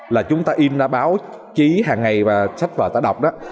là chúng ta in ra báo chí hàng ngày và sách vở ta đọc đó